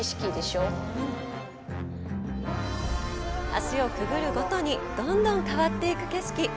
橋をくぐるごとにどんどん変わっていく景色。